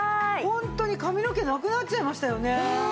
ホントに髪の毛なくなっちゃいましたよね。